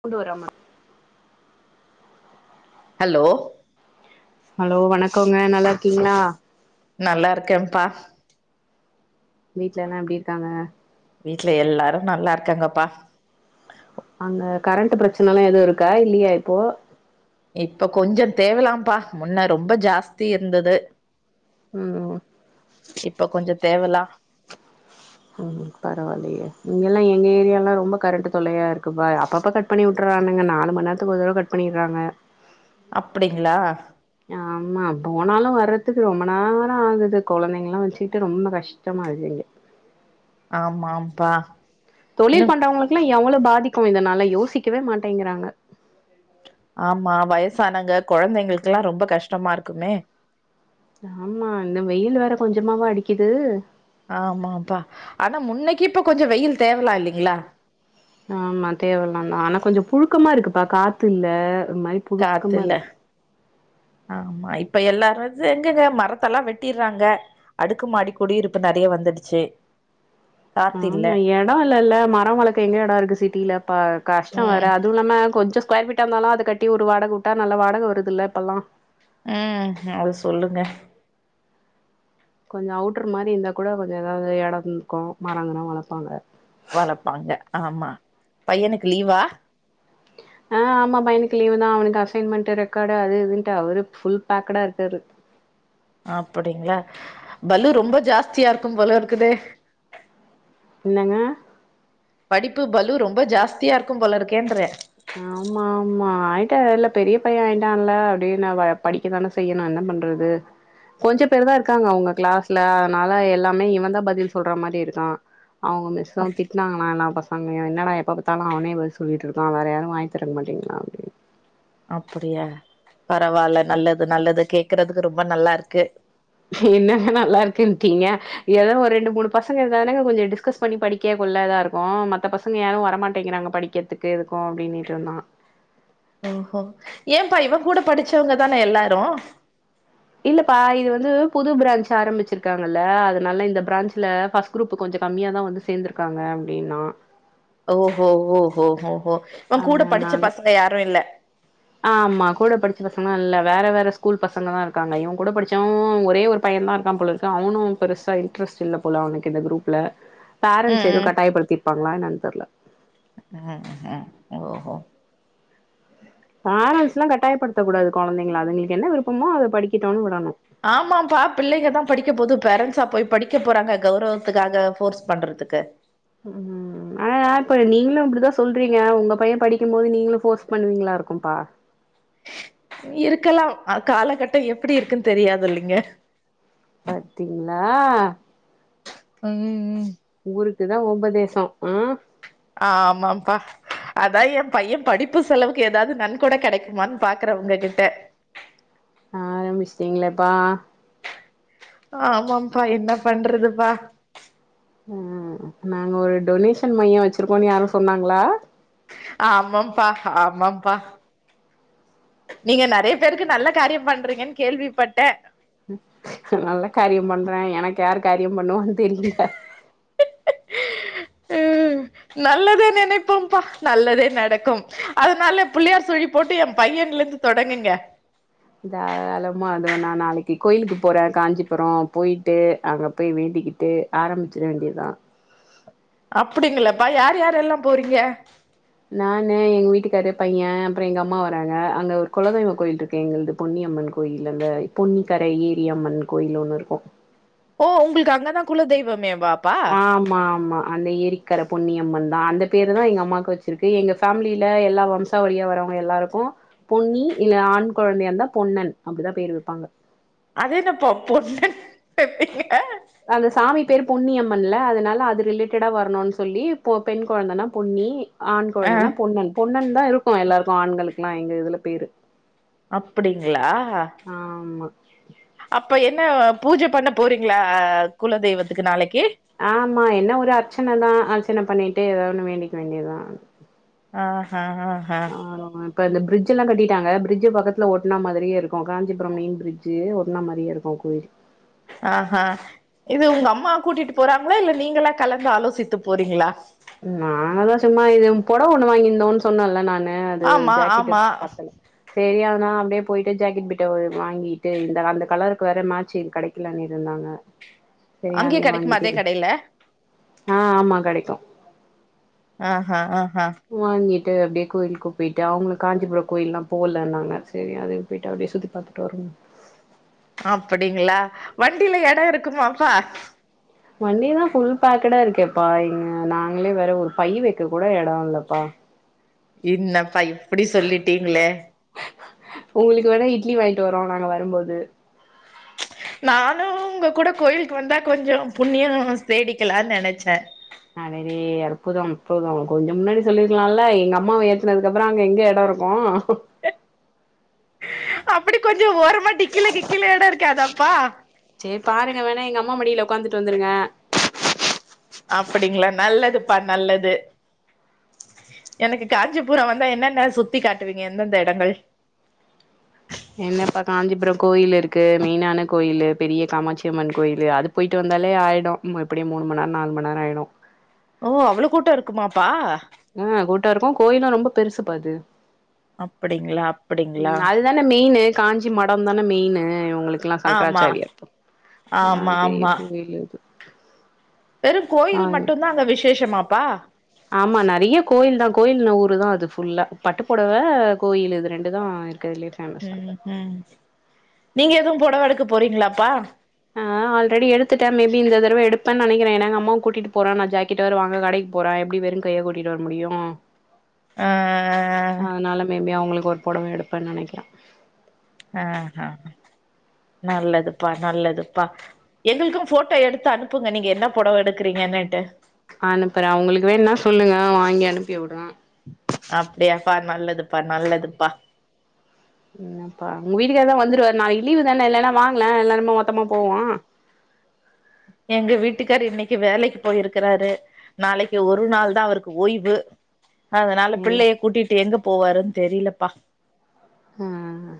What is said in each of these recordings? கொண்டுவராம hello hello வணக்கோங்க நல்லா இருக்கீங்ளா நல்லாருக்கேம்பா வீட்ல எல்லா எப்டி இருக்காங்க வீட்ல எல்லாரு நல்லா இருக்காங்கப்பா அங்க கரண்ட்டு ப்ரெச்சனெல்லா எது இருக்கா இல்லியா இப்போ இப்ப கொஞ்ச தேவலாம்ப்பா முன்ன ரொம்ப ஜாஸ்தி இருந்தது ம் இப்பக்கொஞ்ச தேவலா ம் பரவாயில்லையே இங்கெல்லா எங்க ஏரியால்லா ரொம்ப கரண்ட்டு தொல்லையா இருக்குப்பா அப்பப்ப கட் பண்ணி உட்டறானுங்க நாலு மண் நேர்த்துக்கு ஒரு தடவ கட் பண்ணிற்றாங்க அப்டிங்ளா ஆமா போனாலு வர்றதுக்கு ரொம்ப நேரோ ஆகுது கொழந்தைங்கெல்லா வெச்சுட்டு ரொம்ப கஷ் டமா இருக்கு இங்க ஆமா ஆம்பா தொழில் பண்றவங்களுக்லா எவ்வளோ பாதிக்கு இதனால யோசிக்கவே மாட்டேங்கிறாங்க ஆமா வயசானங்க கொழந்தைங்ளுக்ல்லா ரொம்ப கஷ்டமா இருக்குமே ஆமா இந்த வெயில் வேற கொஞ்சமாவா அடிக்கிது ஆமாப்பா ஆனா முன்னைக்கி இப்ப கொஞ்ச வெயில் தேவலா இல்லிங்ளா ஆமா தேவலாந்தா ஆனா கொஞ்ச புழுக்கமா இருக்குப்பா காத்து இல்ல ஒர் மாரி காத்து புழுக்கமா இல்ல இருக்கு. ஆமா இப்ப எல்லாரது எங்கெங்க மரத்தெல்லா வெட்டிற்றாங்க அடுக்குமாடி குடியிருப்பு நெறைய வந்துடுச்சு காத்து இல்ல ஆமா எடோ இல்லல மரோ வளக்க எங்க எடோ இருக்கு சிட்டில பா கஷ்ட வேற ம் அதுவு இல்லாம கொஞ்சோ ஸ்கொயர்ஃபீ ட்டா இந்தாலு அது கட்டி ஒரு வாடக உட்டா நல்ல வாடக வருதுல்ல இப்பல்லா அ அது சொல்லுங்க கொஞ்சோ அவுட்ரு மாரி இந்தா கூட கொஞ்சோ எதாவ்து எடோந் இருக்கு மரங்கீரொ வளப்பாங்க வளப்பாங்க ஆமா பையனுக்கு லீவா அ ஆமா பையனுக்கு லீவுதா அவனுக்கு அசைன்மெண்ட்டு ரெக்காடு அது இதுன்ட்டு அவரு ஃபுல் பேக்குட இருக்காரு அப்படிங்களா பலு ரொம்ப ஜாஸ்தியா இருக்கும் போலருக்குது என்னங்க படிப்பு பலு ரொம்ப ஜாஸ்தியா இருக்கும் போல இருக்கேன்ற ஆமா ஆமா ஆயிட்டால்ல பெரிய பைய ஆயிட்டான்ல அப்டின் அவ படி க்கதான செய்யணு என்ன பண்றது கொஞ்ச பேருதா இருக்காங்க அவுங்க க்ளாஸ்ல அதனால எல்லாமே இவன்தா பதில் சொல்ற மாரி இருக்கா அவுங்க மிஸ் தா அப் திட்னாங்களா எல்லா பசங்களையு என்னடா எப்ப பாத்தாலு அவனே பதில் சொல்லிட்டுருக்கா வேற யாரு வாய திறக்க மாட்டிங்ளா அப் அப்படியா பரவால நல்லது நல்லது கேக்குறதுக்கு ரொம்ப நல்லாருக்கு என்னங்க நல்லா இருக்குன்டீங்க எதோ ஒரு ரெண்டு மூணு பசங்க இருந்தானங்க கொஞ்ச டிஸ்கஸ் பண்ணி படிக்க கொல்ல இதா இருக்கு மத்த பசங்க யாரு வரமாட்டேங்கிறாங்க படிக்கிறதுக்கு எதுக்கு அப்டினீட்டு இருந்தா ஓஹோ ஏம்பா இவங்கூட படிச்சவங்க தான எல்லாரு இல்லப்பா இது வந்து புது ப்ராஞ்ச் ஆரம்பிச்சிருக்காங்கல்ல அதனால இந்த ப்ராஞ்சுல ஃபஸ் குரூப்பு கொஞ்ச கம்மியாதா வந்து சேர்ந்துருக்காங்க அப்டின்னா ஓஹோ ஓஹோ ஓஹோ இவன்கூட படிச்ச அதனால பசங்க யாரு இல்ல ஆமா கூட படிச்ச பசங்ளா இல்ல வேற வேற ஸ்கூல் பசங்கதா இருக்காங்க இவங்கூட படிச்சவை ஒரே ஒரு பையநாதா இருக்காம்போலரு க்கு அவனு பெருசா இன்ட்ரெஸ்ட் இல்ல போல அவனுக்கு இந்த க்ரூப்ல பேரண்ட்ஸ் ம் எதுவ் ம் கட்டாயப்படுத்திருப்பாங்ளா என்னனு தெரில ம் ம் ஓஹோ பேரன்ட்ஸ்ல்லா கட்டாயப்படுத்த கூடாது கொழந்தைங்ள அதுங்ளுக் என்ன விருப்பமோ அத படிக்கட்டோன்னு விடனு ஆமாம்பா பிள்ளைக தா படிக்க போது பேரண்ட்ஸா போய் படிக்க போறாங்க கௌரவத்துக்காக ஃபோர்ஸ் பண்றதுக்கு ம் ம் ஆனா இப்ப நீங்ளு இப்டிதா சொல்றீங்க உங்க பைய படிக்கும் போது நீங்ளு ஃபோர்ஸ் பண்ணுவீங்ளா இருக்கும்ப்பா இருக்கலா காலகட்டோ எப்டி இருக்குன் தெரியாதுல்லிங்க பத்தீங்ளா ம் ஊருக்குதா உபதேசோ ஆ ஆமாம் ப்பா அதா எ பைய படிப்பு செலவுக்கு எதாவ்து நன் கொட கெடைக்குமான்னு பாக்குறே உங்க கிட்ட ஆ ஆரம்பிஸ்ட்டீங்ளேப்பா ஆமாம் ப்பா என்ன பண்றதுப்பா ம் ம் ம் நாங்க ஒரு டொனேஷன் மையோ வெச்ருக்கோன்னு யாரு சொன்னாங்ளா ஆமாம் ப்பா ஆமாம் ப்பா நீங்க நெறைய பேருக்கு நல்ல காரியம் பண்றீங்கன்னு கேள்விப்பட்டே நல்ல காரியம் பண்றே எனக்கு யாரு காரியம் பண்ணுவான்னு தெரியில ம் நல்லதே நெனைப்போம்ப்பா நல்லதே நடக்கும் அதனால பிள்ளையார் சுழி போட்டு எ பையன்லந்து தொடங்குங்க தாராளமா தோ நா நாளைக்கு கோயிலுக்கு போறே காஞ்சிபுரோ போய்ட்டு அங்க போய் வேண்டிக்கிட் டு ஆரம்மிச்சிட வேண்டியதா அப்டிங்ளப்பா யார் யார் எல்லா போறிங்க நானு எங் வீட்டுக்காரு பைய அப்றோ எங்க அம்மா வராங்க அங்க ஒரு கொலதெய்வோ கோயில்ருக் கு எங்க பொன்னியம்மன் கோயில் அந்த பொன்னிக்கர ஏரி அம்மன் கோயில் ஒண்ணு இருக்கு ஓ உங்ளுக் அங்கதா குல தெய்வமே வா ஆம் ஆமா அந்த ஏரிக்கர பொன்னியம்மன் தா அந்த பேரு தா எங்க அம்மாவ்க்கு வச்சிருக்கு எங்க ஃபேமிலில எல்லா வம்ச சவழியா வரவங்க எல்லாருக்கு பொன்னி இல்ல ஆண் கொழந்தையா இருந்தா பொன்னன் அப்டிதா பேரு வெப்பாங்க அதென்னப்பா பொன்னன் வெக்கு ங்க அந்த சாமி பேரு பொன்னியம்மன்ல அதனால அது ரிலேட்டடா வரனோன்னு சொல்லி பொ பெண் கொழந்தனா பொன்னி ஆண் ஆ கொழந்தனா பொன்னன் பொன்னன் தா இருக்கு எல்லாருக்கு ஆண்களுக்ல்லா எங்க இதுல பேரு அப்டிங்ளா ஆமா அப்ப என்ன பூஜ பண்ண போறீங்ளா குலதெய்வத்துக்கு நாளைக்கு ஆமா என்ன ஒரு அர்ச்சன தா அர்ச்சன பண்ணிக்கிட்டு எதாவொன்னு வேண்டிக்க வேண்டி தா ஆஹ்ஹா ஆஹ்ஹா ஆமா இப்ப இந்த ப்ரிட்ஜல்லா கட்டிட்டாங்க ப்ரிட்ஜ்ஜி பக்கத்துல ஒட்ன மாதிரியே இருக்கு காஞ்சிபுரோ மெய்ன் ப்ரிட் ஜ்ஜி ஒட்ன மாரியே இருக்கு கோயில் ஆஹ்ஹா இது உங்க அம்மா கூட்டிட்டு போறாங்ளா இல்ல நீங்களா கலந்து ஆலோசித்து போறீங்ளா நானு சும்மா இது பொடவொண்ணு வாங்கியிந்தோம்னு சொன்னேல நானு அது ஆமா ஜாக்கெட்டு ஆமா பத்தல செரி அதனா அப்டியே போய்ட்டு ஜாக்கெட் பிட்ட வாங்கிட்டு இந்த அந்த கலருக்கு வேற மேட்சு கடைக் க்லண்ணிட்டு இருந்தாங்க செரி அங்கயே அதயு கெடைக்குமா வாங்கிட்டு அதே கடையில ஆ ஆமா கடைக்கு ஆஹ்ஹா ஆஹ்ஹா வாங்கிட்டு அப்டியே கோய்ல்க்கு போய்ட்டு அவ்ங்ளு காஞ்சிபுரோ கோயில்லா போலன்னாங்க செரி அது போய்ட்டு அப்டியே சுத்தி பாத்துட்டு வர்னு அப்படிங்களா வண்டில எடோ இருக்குமாப்பா வண்டிதா ஃபுல் பேக்குடா இருக்கேப்பா இங்க நாங்களே வேற ஒரு பை வெக்ககூட எடோ இல்லப்பா இன்னப்பா இப்டி சொல்லிட்டீங்களே உங்குளுக்கு வேணா இட்லி வாங்கிட்டு வரோ நாங்க வரம்போது உ நானு உங்ககூட கோயில்க்கு வந்தா கொஞ்சோ புண்ணியோ தேடிக்கலான் நெனச்சே அடடே அற்புதோ அற்புதோ கொஞ்சோ முன்னாடி சொல்லிருகலால்ல எங்க அம்மாவ ஏத்தனதுக்கு அப்புறோ அங்க எங்க எடோ இருக் கு அப்டி கொஞ்சோ ஓரமா டிக்கில கிக்கில எடோ இருக்காதாப்பா செரி பாருங்க வேணா எங்க அம்மா மடில உக்காந்துட்டு வந்துருங்க அப்படிங்ளா நல்லதுப்பா நல்லது எனக்கு காஞ்சிபுரோ வந்து என்னன்ன சுத்தி காட்டுவீங்க எந்தெந்த எடங்கள் என்னப்பா காஞ்சிபுரோ கோயில் இருக்கு மெயினான கோயிலு பெரிய காமாச்சியம்மன் கோயிலு அது போய்ட்டு வந்தாலே ஆய்டு எப்டியு மூணு மண்நேரோ நாலு மண்நேரோ ஆய்டு ஓ அவ்வளோ கூட்டோ இருக்குமாப்பா ஆ கூட்டோ இருக்கு கோயிலு ரொம்ப பெருசுபா அது அப்டிங்ளா அப்டிங்ளா அத்தான மெய்னு காஞ்சி மடோதான மெய்னு உங்குளுக் குலா ஆமா சங்கராச்சாரியா ஆ ஆமா பெரிய ஆமா கோயிலு இது வெறு கோயில் ஆ மட்டுதா அங்க விசேஷமாப்பா ஆமா நறைய கோயில்தா கோயில் ஊருதா அது ஃபுல்லா பட்டுப்பொடவ கோயில் இது ரெண்டுதா இருக்கறதுலயே ம் ம் நீங்க எதுவு புடவ எடுக்க போறீங்ளாப்பா ஆ ஆல்ரெடி எடுத்துட்டே மேபி இந்த தடவ எடுப்பே நனைக்கிற எனா எங்க அம்மாவ கூட்டிட்டு போறே நா ஜாக்கெட் வேற வாங்க கடைக் போறே எப்டி வெறு கையா கூட்டிட்டு வர முடியு ஆ அதனால மேபி அவுங்குளுக்கு ஒரு பொடவ எடுப்பே நனைக்கிறே ஆஹ நல்லதுப்பா நல்லதுப்பா எங்களுக்கு ஃபோட்டோ எடுத்து அனுப்புங்க நீங்க என்ன பொடவ எடுக்குறீங்கன்னுட்டு அனுப்புறே உங்களுக்கு வேணா சொல்லுங்க வாங்கி அனுப்பிவுடுற அப்டியாப்பா நல்லதுப்பா நல்லதுப்பா என்னப்பா உங்க வீட்டுக்கார்தா வந்துருவாரு நாளைக்கி லீவுதான இல்லன்னா வாங்ல எல்லாருமே மொத்தமா போவோ எங்க வீட்டுக்காரு இன்னிக்கு வேலைக்கு போய்ருக்கறாரு நாளைக்கு ஒரு நாள்தா அவருக்கு ஓய்வு அதனால இல்ல பிள்ளைய கூட்டிட்டு எங்க போவாருன் தெரிலப்பா ம்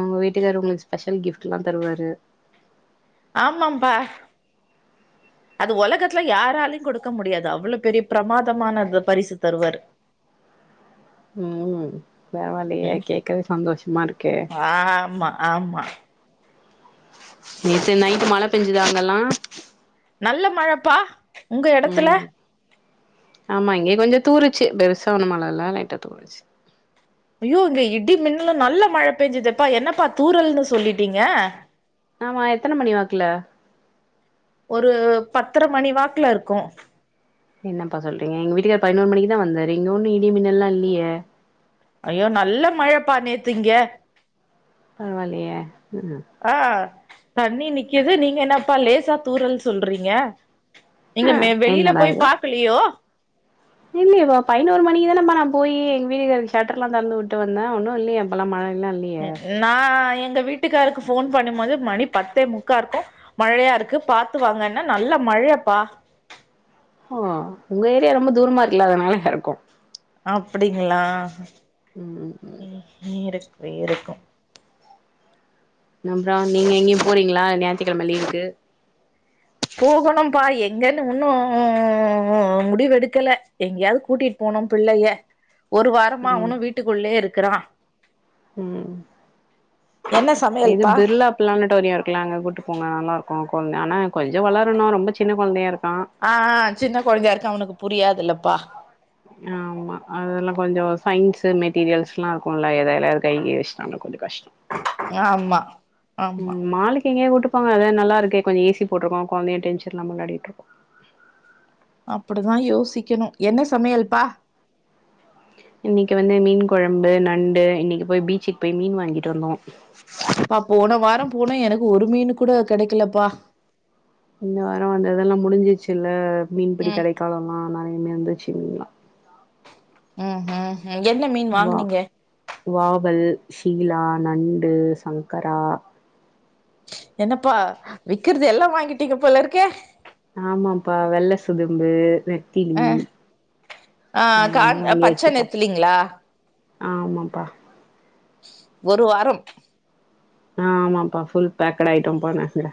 உங்க வீட்டுக்காரு உங்களுக்கு ஸ்பெஷல் கிஃப்ட்டுலா தருவாரு ஆமாம்பா [inaudible] அது ஒலகத்துல யாராலையு கொடுக்க முடியாது அவ்ளோ பெரிய ப்ரமாதமான பரிசு தருவாரு ம் பரவாலயே ம் கேக்கவே சந்தோஷமா இருக்கே ஆமா ஆமா நேத்து நைட்டு மழ பெஞ்சுதா அங்கல்லா நல்ல மழப்பா உங்க எடத்துல ம் ஆமா இங்கயு கொஞ்சோ தூருச்சு பெருசா ஒன்னு மழ எல்லா இல்ல லைட்டா தூறுச்சு ஐ்யோ இங்க இடி மின்னலு நல்ல மழை பெயஞ்சுதுப்பா என்னப்பா தூரல்ன்னனு சொல்லிட்டீங்க ஆமா எத்தனை மணி வாக்ல ஒரு பத்தரை மணி வாக்குல இருக்கும் என்னப்பா சொல்றீங்க எங் வீட்டுக்காரர் பதினோரு மணிக்கு தா வந்தாரு இங்க ஒன்னு இடி மின்னல்லாம் இல்லயே ஐயோ நல்ல மழைப்பா நேத்து இங்க பரவால்லையே ம் ம் ஆ தண்ணி நிக்குது நீங்க என்னப்பா லேசா தூரல்னு சொல்றீங்க நீங்க ஆ மே வெளியில போய் பாக்கலியோ இல்லையே இப்போ பதினொரு மணிக்கு தானப்ப நா போயி எங்க வீட்டுக்காரர்கு ஷட்டர்ல்லா தெறந்து உட்டு வந்தே ஒன்னு இல்லையே அப்போலா மழை எல்லா இல்லயே ம் நா எங்க வீட்டுக்காருக்கு போன் பண்ணும்போது மணி பத்தே முக்கா இருக்கும் மழையா இருக்கு பாத்து வாங்கன்ன நல்ல மழப்பா ஓ உங்க ஏரியா ரொம்ப தூரமா இருக்குல அதனால இதா இருக்கும் அப்டிங்களா ஹ் ஹ் ம் நியரெஸ்ட்லயே இருக்கூ அப்றோ நீங்க எங்கயு போறீங்களா ஞாய்த்து கிழம லீவ்க்கு போகணும்ப்பா எங்கன்னு ஒன்னு முடிவெடுக்கல எங்கேயாவது கூட்டிட்டு போனு பிள்ளைய ஒரு வாரமா ம் அவனு வீட்டுக்குள்ளயே இருக்கிறா ம் என்ன இது சமையல்ப்பா பிர்லா ப்ளானிடொரியோ இருக்குல அங்க கூட்டு போங்க நல்லாருக்கு குழந்தை ஆனா கொஞ்சோ வளரனு ரொம்ப சின்ன குழந்தையா இருக்கான் ஆ ஆ சின்ன குழந்தையா இருக்கான் அவனுக்கு புரியாதுல்லப்பா ஆ ஆமா அதெல்லா கொஞ்சோ சயின்ஸ மெட்டீரியல்ஸ்லா இருக்கும்ல எ எதுலயாது கை கிய வச்சுட்டானா கொஞ்சோ கஷ்டோ ஆமா ம் ஆமா மால் கு எங்கயாது கூட்டு போங்க அதா நல்ல இருக்கே கொஞ்சோ ஏசி போட்டிருக்கு குழந்தையு டென்ஷன் இல்லாம விளையாடிட்டு இருக்கும் அப்டிதான் யோசிக்கணு என்ன சமையல்ப்பா இன்னைக்கு வந்து மீன் குழம்பு நண்டு இன்னைக்கு போய் பீச்சுக்கு போய் மீன் வாங்கிட்டு வந்தோ பா போன வாரோ போனோ எனக்கு ஒரு மீன் கூட கிடைக்கலப்பா இந்த வாரோ வந்து இதெல்லா முடிஞ்சிச்சு இல்ல மீன்பிடி ம் தடைக்காலோ எல்லாம நிறைய இருந்துச்சு மீன்லா ம் ம் ம் என்ன மீன் வா வாங்குனீங்க வாவல் ஷீலா நண்டு சங்கரா என்னப்பா விக்குறது எல்லா வாங்கிட்டீங்க போல இருக்கே ஆமாப்பா வெள்ள சுதம்பு நெத்திலி அ ஆ எல்லாமே கான் பச்ச வாங்கியாச்சுப்பா நெத்திலிங்களா ஆமாப்பா ஒரு வாரம் ஆ ஆமாப்பா ஃபுல் பேக்குடு ஐட்டம் போன இது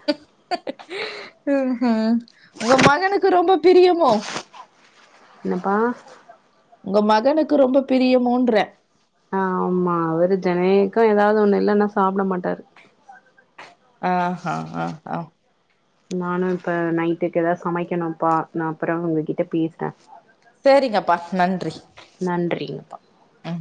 ம் ம் உங்க மகனுக்கு ரொம்ப பிரியமோ என்னப்பா உங்க மகனுக்கு ரொம்ப பிரியமோன்ற ஆ ஆமா அவரு ஜெனக்கூ ஏதாவது ஒண்ணு இல்லன்னா சாப்பட மாட்டாரு ஆ ஆ ஆ ஆ நானு இப்ப நைட்டுக்கு ஏதாது சமைக்கணுப்பா நா அப்றோ உங்ககிட்ட பேசுறே சேரிங்கப்பா நன்றி நன்றிங்கப்பா ம்